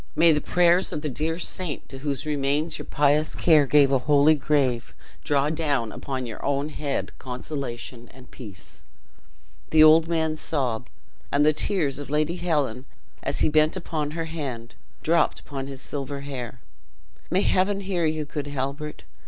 May the prayers of the dear saint, to whose remains your pious care gave a holy grave, draw down upon your own head consolation and peace!" The old man sobbed; and the tears of Lady Helen, as he bent upon her hand, dropped upon his silver hair. "May Heaven hear you, good Halbert!